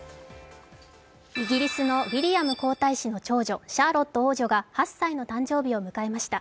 イギリスのウィリアム皇太子の長女、シャーロット王女が８歳の誕生日を迎えました。